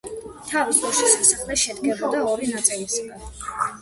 თავის დროს სასახლე შედგებოდა ორი ნაწილიდან.